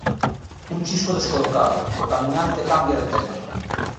Un chisco descolocado, o camiñante cambia de tema.